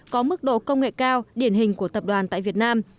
có mức độ công nghệ cao điển hình của tập đoàn tại việt nam